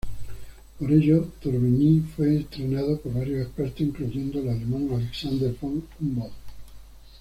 Por ello, d'Orbigny fue entrenado por varios expertos, incluyendo al alemán Alexander von Humboldt.